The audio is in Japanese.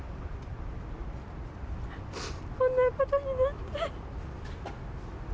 こんなことになって。